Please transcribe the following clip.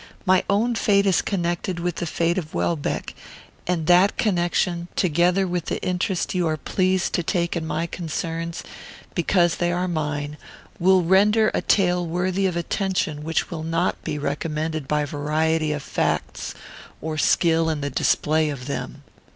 My own fate is connected with the fate of Welbeck, and that connection, together with the interest you are pleased to take in my concerns, because they are mine, will render a tale worthy of attention which will not be recommended by variety of facts or skill in the display of them.